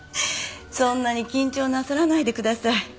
そんなに緊張なさらないでください。